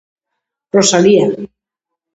Rosalía.